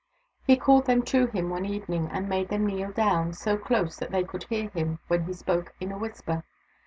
He called them to him one evening, and made them kneel down, so close that they could hear him when he spoke in a whisper.